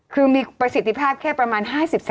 คือมีประสิทธิภาพแค่ประมาณ๕๐